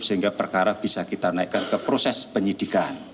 sehingga perkara bisa kita naikkan ke proses penyidikan